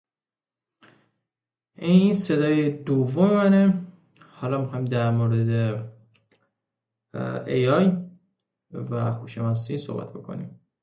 Other singles from the album included "Vermilion", "Before I Forget" and "The Blister Exists".